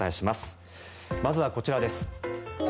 まずはこちらです。